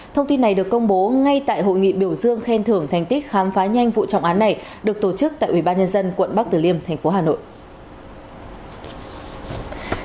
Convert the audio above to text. thông tin này được công bố ngay tại hội nghị biểu dương khen thưởng thành tích khám phá nhanh vụ trọng án này được tổ chức tại ubnd quận bắc tử liêm tp hà nội